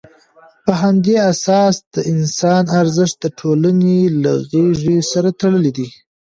په همدې اساس، د انسان ارزښت د ټولنې له غېږې سره تړلی دی.